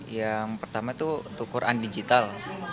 yang pertama itu untuk quran digital